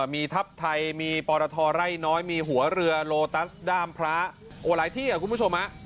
มีทัพไทยมีปรทไร่น้อยมีหัวเรือโลตัสด้ามพระโอ้หลายที่อ่ะคุณผู้ชมฮะ